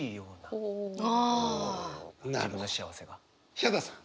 ヒャダさん。